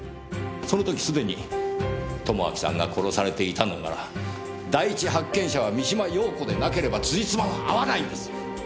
その時すでに友章さんが殺されていたのなら第一発見者は三島陽子でなければつじつまは合わないんです！